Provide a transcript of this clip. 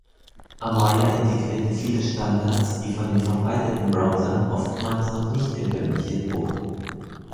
Amaya integrierte viele Standards, die von den verbreiteten Browsern oftmals noch nicht implementiert wurden.